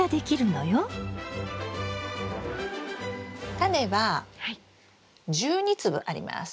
タネは１２粒あります。